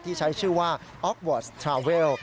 ที่ใช้ชื่อว่าออกวอร์สทราเวล